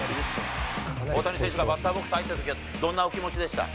大谷選手がバッターボックス入ったときは、どんなお気持ちでした？